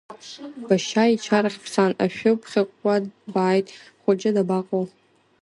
Башьа ичарахь бцан, ашәы бхьыкәкәа бааит, ҳхәыҷы дабаҟоу?